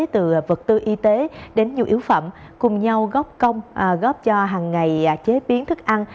từ vật tư y tế đến nhu yếu phẩm cùng nhau góp cho hàng ngày chế biến thức ăn